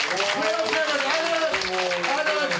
ありがとうございます。